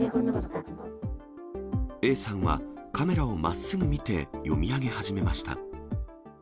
Ａさんは、カメラをまっすぐ見て、読み上げ始めました。